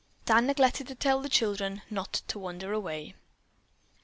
Dan neglected to tell the children not to wander away.